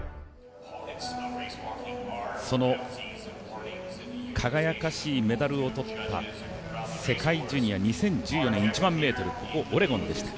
その輝かしいメダルを取った世界ジュニア２０１４年、１００００ｍはここ、オレゴンでした。